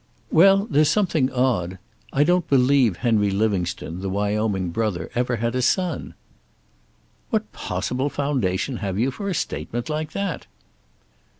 "Well, there's something odd. I don't believe Henry Livingstone, the Wyoming brother, ever had a son." "What possible foundation have you for a statement like that?"